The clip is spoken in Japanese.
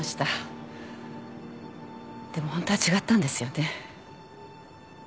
でもホントは違ったんですよね。